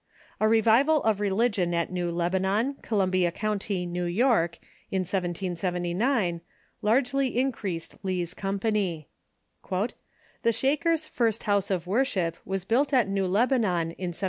A revival of religion at New Lebanon, Columbia County, New York, in 1779, largely in creased Lee's company. " The Shakers' first house of worship was built at New Lebanon in 1785.